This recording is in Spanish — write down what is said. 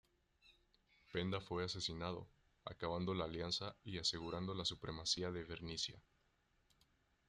Penda fue asesinado, acabando la alianza y asegurando la supremacía de Bernicia.